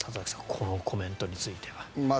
このコメントについては。